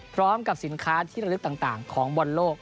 พร้อมกับสินค้าที่ระลึกต่างของบอลโลก